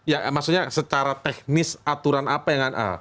ya maksudnya secara teknis aturan apa yang